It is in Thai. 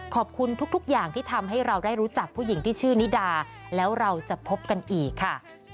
ขอบคุณทุกอย่างที่ทำให้เราได้รู้จักผู้หญิงที่ชื่อนิดาแล้วเราจะพบกันอีกค่ะ